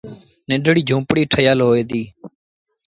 ننڍڙيٚ جھوپڙيٚ ٺهيٚل هوئي ديٚ۔